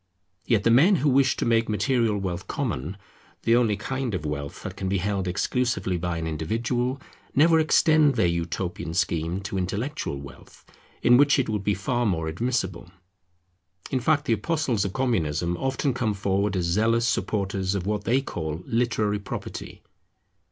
Yet the men who wish to make material wealth common, the only kind of wealth that can be held exclusively by an individual, never extend their utopian scheme to intellectual wealth, in which it would be far more admissible. In fact the apostles of Communism often come forward as zealous supporters of what they call literary property.